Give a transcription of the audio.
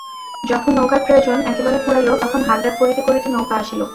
যখন নৌকার প্রয়োজন একেবারে ফুরাইল তখন হাঁকডাক করিতে করিতে নৌকা আসিল।